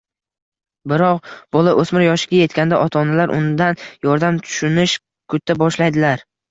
Biroq bola o‘smir yoshiga yetganda ota-onalar undan yordam, tushunish kuta boshlaydilar.